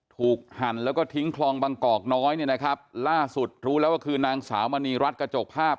หั่นแล้วก็ทิ้งคลองบางกอกน้อยเนี่ยนะครับล่าสุดรู้แล้วว่าคือนางสาวมณีรัฐกระจกภาพ